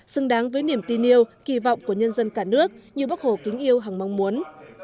xứng đáng với niềm tin yêu kỳ vọng của nhân dân cả nước như bắc hồ kính yêu hằng mong muốn